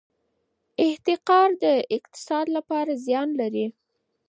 احتکار د اقتصاد لپاره زیان لري.